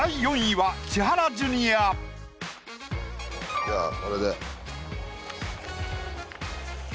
じゃあこれで。